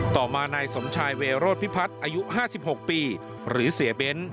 ต่อมานายสมชายเวโรธพิพัฒน์อายุ๕๖ปีหรือเสียเบ้น